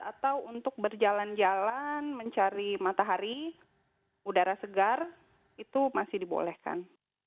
atau untuk berjalan jalan mencari matahari udara segar itu masih dibolehkan